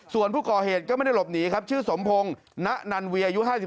ส่วนผู้ก่อเหตุก็ไม่ได้หลบหนีครับชื่อสมพงศ์ณนันเวียอายุ๕๓